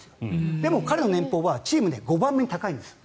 でも、彼の年俸はチームに５番目に高いんです。